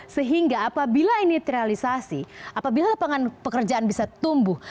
sehingga apabila ini terrealisasi apabila lapangan pekerjaan bisa tumbuh